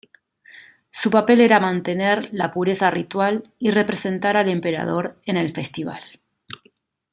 Su papel era mantener la pureza ritual y representar al emperador en el festival.